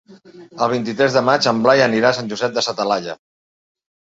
El vint-i-tres de maig en Blai anirà a Sant Josep de sa Talaia.